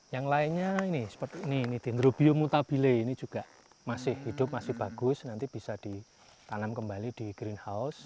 yang lainnya ini seperti ini ini dendrobium mutabile ini juga masih hidup masih bagus nanti bisa ditanam kembali di greenhouse